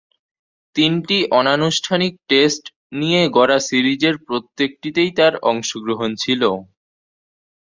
তিনটি অনানুষ্ঠানিক টেস্ট নিয়ে গড়া সিরিজের প্রত্যেকটিতেই তার অংশগ্রহণ ছিল।